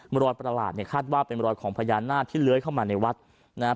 มรอยประหลาดคาดว่าเป็นมรอยของพญานาธิ์ที่เล้ยเข้ามาในวัดนะฮะ